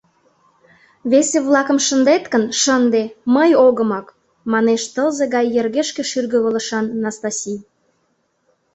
Весе-влакым шындет гын, шынде, мый огымак! — манеш тылзе гай йыргешке шӱргывылышан Настаси.